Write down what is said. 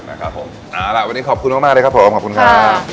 กันนะครับผมอะล่ะวันนี้ขอบคุณมากเลยครับผมขอบคุณค่ะ